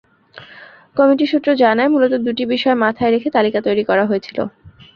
Committee সূত্র জানায়, মূলত দুটি বিষয় মাথায় রেখে তালিকা তৈরি করা হয়েছিল।